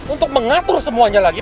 untuk mengatur semuanya lagi